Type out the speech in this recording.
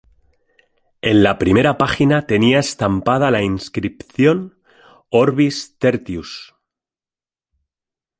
En la primera página tenía estampada la inscripción: Orbis Tertius.